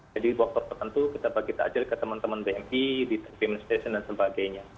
jadi waktu tertentu kita bagi takjil ke teman teman bmi di administration dan sebagainya